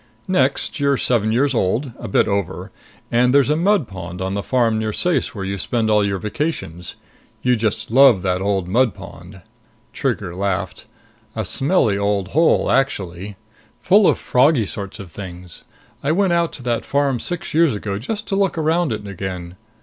Next, you're seven years old a bit over and there's a mud pond on the farm near Ceyce where you spend all your vacations. You just love that old mud pond." Trigger laughed. "A smelly old hole, actually! Full of froggy sorts of things. I went out to that farm six years ago, just to look around it again.